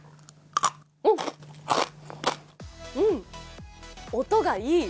うん、音がいい。